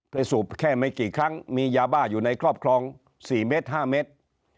สูบแค่ไม่กี่ครั้งมียาบ้าอยู่ในครอบครอง๔เมตร๕เมตร